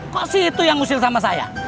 kok sih itu yang ngusil sama saya